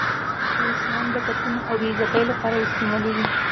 دا اسلام د قتلونو او بې عزتۍ لپاره استعمالېږي.